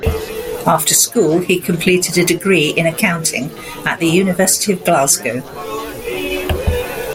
After school, he completed a degree in accounting at the University of Glasgow.